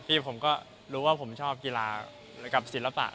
ผมก็รู้ว่าผมชอบกีฬากับศิลปะ